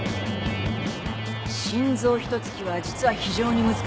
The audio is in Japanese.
心臓一突きは実は非常に難しい。